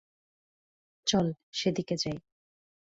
চল, সেদিকে যাই।